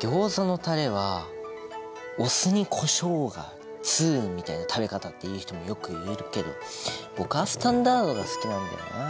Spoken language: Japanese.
ギョーザのタレは「お酢にコショウが通」みたいな食べ方っていう人もよくいるけど僕はスタンダードが好きなんだよなあ。